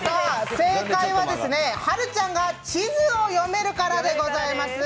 正解は、はるちゃんが地図を読めるからでございます。